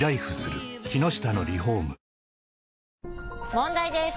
問題です！